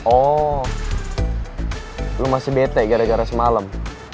oh lu masih bete gara gara semalam